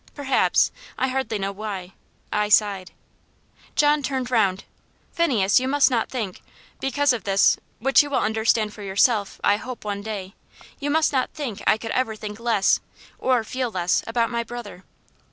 Perhaps I hardly know why I sighed. John turned round "Phineas, you must not think because of this which you will understand for yourself, I hope, one day; you must not think I could ever think less, or feel less, about my brother."